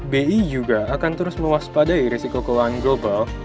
bi juga akan terus mewaspadai resiko keuangan global